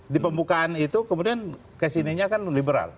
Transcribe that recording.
di pembukaan itu kemudian kesininya kan liberal